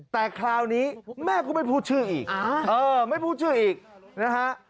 แต่คราวนี้แม่ก็ไม่พูดชื่ออีกไม่พูดชื่ออีกนะฮะ